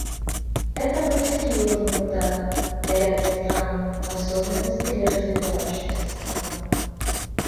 Это был серьезный удар для ряда стран, в особенности для развивающихся стран.